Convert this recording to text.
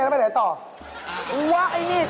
เปล่าไปขึ้นเมนพอขึ้นเมนแล้วไปไหนต่อ